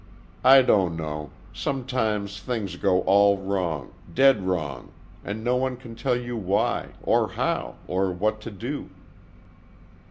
"I don't know. Sometimes things go all wrong dead wrong and no one can tell why, or how, or what to do."